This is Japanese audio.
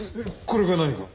これが何か？